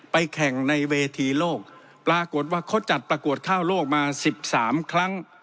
แข่งในเวทีโลกปรากฏว่าเขาจัดประกวดข้าวโลกมา๑๓ครั้ง